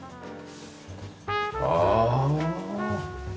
ああ。